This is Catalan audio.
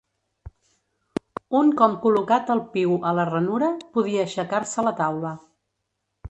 Un com col·locat el piu a la ranura, podia aixecar-se la taula.